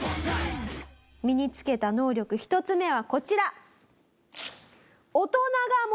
身につけた能力１つ目はこちら。